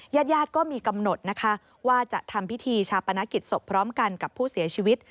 ญาติญาติก็มีกำหนดนะคะว่าจะทำพิธีชาปนกิจศพพร้อมกันกับผู้เสียชีวิต